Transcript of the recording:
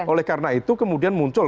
oleh karena itu kemudian muncul